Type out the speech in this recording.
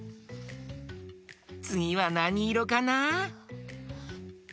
つぎはなにいろかな？